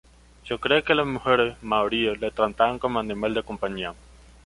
Se cree que las mujeres maoríes lo trataban como animal de compañía.